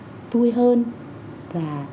và đồng chí đồng chí đồng chí